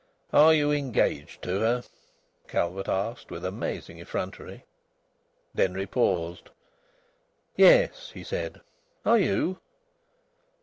"Are you engaged to her?" Calvert asked, with amazing effrontery. Denry paused. "Yes," he said. "Are you?"